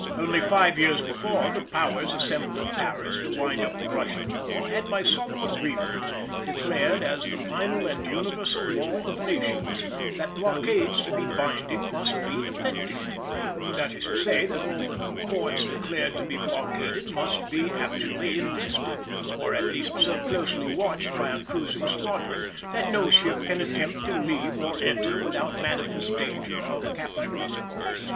Only five years before the Powers assembled at Paris to wind up the Russian war had by solemn agreement declared, as the final and universal law of nations, that blockades to be binding must be effective; that is to say, that all the ports declared to be blockaded must be actually invested, or at least so closely watched by a cruising squadron that no ship can attempt to leave or enter without manifest danger of capture.